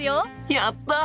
やった！